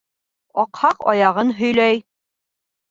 Аҡһаҡ аяғын һөйләй.